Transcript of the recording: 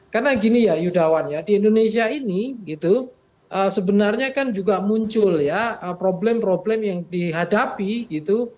karena gini ya yudawan ya di indonesia ini gitu sebenarnya kan juga muncul ya problem problem yang dihadapi gitu